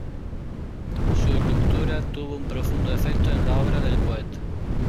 Su ruptura tuvo un profundo efecto en la obra del poeta.